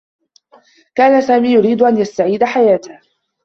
كان سامي يريد أن يستعيد حياته.